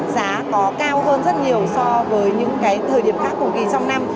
giá có cao hơn rất nhiều so với những cái thời điểm khác cùng kỳ trong năm